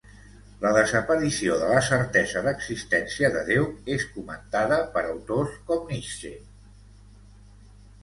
La desaparició de la certesa d'existència de déu és comentada per autors com Nietzsche.